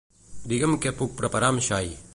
Digue'm què puc preparar amb xai.